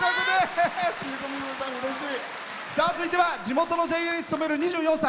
続いては地元のＪＡに勤める２４歳。